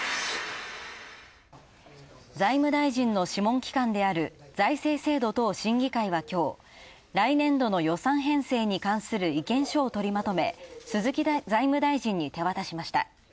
財務大臣の諮問機関である財政制度等審議会は、きょう来年度の予算編成に関する意見書を取りまとめ鈴木財務大臣に手渡しました。